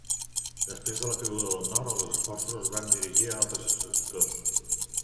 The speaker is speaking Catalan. Després de la caiguda del Nord, els esforços es van dirigir a altres sectors.